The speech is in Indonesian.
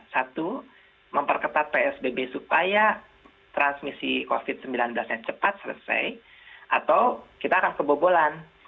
satu memperketat psbb supaya transmisi covid sembilan belas nya cepat selesai atau kita akan kebobolan